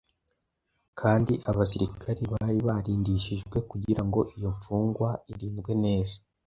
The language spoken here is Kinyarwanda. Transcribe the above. kandi abasirikari bari barindishijwe kugira ngo iyo mfungwa irindwe neza.